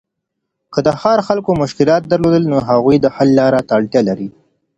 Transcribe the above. که د ښار خلګو مشکلات درلودل، نو هغوی د حل لاري ته اړتیا لري.